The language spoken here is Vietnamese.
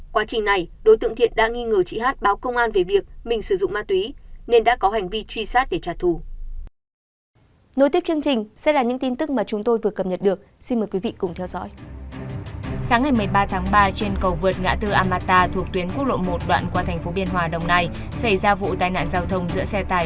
quá trình này đối tượng thiện đã nghi ngờ chị hát báo công an về việc mình sử dụng ma túy nên đã có hành vi truy sát để trả thù